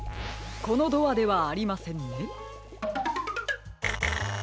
このドアではありませんね。